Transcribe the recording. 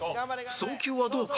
送球はどうか？